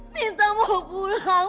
minta mau pulang